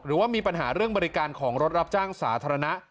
หรือว่ามีปัญหาเรื่องบริการของรถรับจ้างสาธารณะ